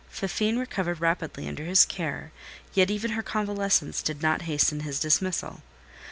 Fifine recovered rapidly under his care, yet even her convalescence did not hasten his dismissal.